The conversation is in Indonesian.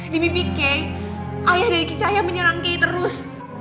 di mimpi kay ayah dari kicaya menyerang kay terus